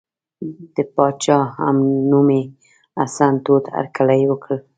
د پاچا همنومي حسن تود هرکلی وکړ.